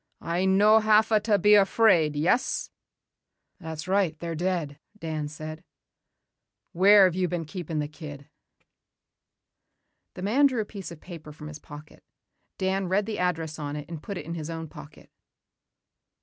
I no hava ta be afraid, yes?" "That's right, they're dead," Dan said. "Where have they been keeping the kid?" The man drew a piece of paper from his pocket. Dan read the address on it and put it in his own pocket.